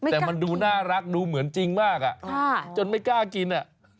แต่มันดูน่ารักดูเหมือนจริงมากจนไม่กล้ากิน